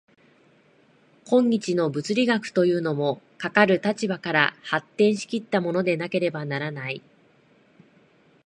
今日の物理学というも、かかる立場から発展し来ったものでなければならない。